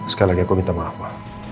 sekali lagi aku minta maaf pak